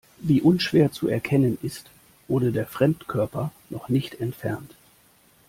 Wie unschwer zu erkennen ist, wurde der Fremdkörper noch nicht entfernt.